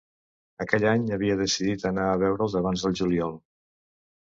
Aquell any havia decidit anar a veure'ls abans del juliol.